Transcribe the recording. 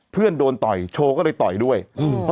เพื่อนโดนต่อยโชว์ก็เลยต่อยด้วยอืม